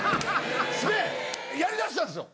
でやりだしたんですよ